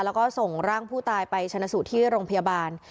แล้วก็ส่งร่างผู้ตายไปชนะสูตรที่โรงพยาบาล